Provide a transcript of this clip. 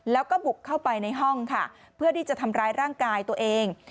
แล้วก็บุกเข้าไปในห้องค่ะเพื่อที่จะทำร้ายร่างกายตัวเอง